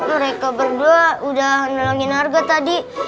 mereka berdua udah nolongin harga tadi